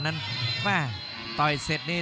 นั้นมาต่อยเสร็จนี่